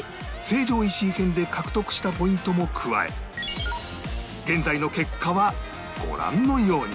成城石井編」で獲得したポイントも加え現在の結果はご覧のように